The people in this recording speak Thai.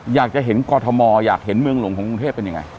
อยากจะเห็นกอทมอยากเห็นเมืองหลวงของกรุงเทพเป็นยังไง